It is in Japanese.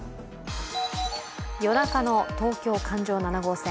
夜中の東京・環状７号線。